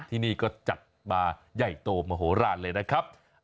ที่นี่ก็จัดมาใหญ่โตมโหลานเลยนะครับ